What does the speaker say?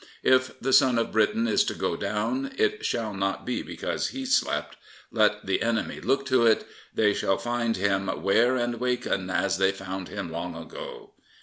If the sun of Britain is to go down it shall not be because he slept. Let the enemy look to it : They shall find him 'ware and wakin', As they found him long ago.